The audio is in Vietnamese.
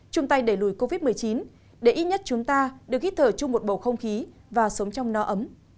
chung tay đẩy lùi covid một mươi chín để ít nhất chúng ta được hít thở chung một bầu không khí và sống trong no ấm